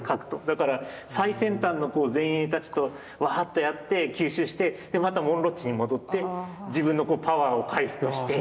だから最先端の前衛たちとワーッとやって吸収してまたモンロッチに戻って自分のパワーを回復して。